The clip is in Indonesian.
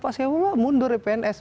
pak saifulah mundur ya pns